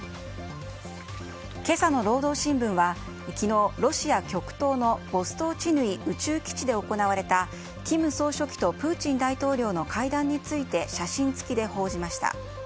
今朝の労働新聞は昨日、ロシア極東のボストーチヌイ宇宙基地で行われた金総書記とプーチン大統領の会談について写真付きで報じました。